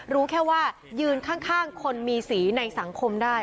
รู้แค่ว่ายืนข้างคนมีสีในสังคมได้